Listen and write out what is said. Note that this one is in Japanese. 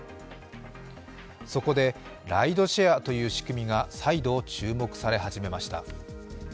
そこでライドシェアという仕組みが再度注目され始めました。